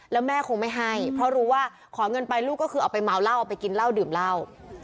แล้วแม่คงไม่ให้เพราะรู้ว่าขอเงินไปลูกก็คือเอาไปเมาเหล้าเอาไปกินเหล้าดื่มเหล้า